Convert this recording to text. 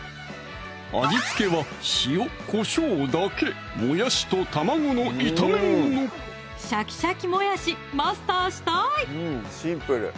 味付けは塩・こしょうだけシャキシャキもやしマスターしたい！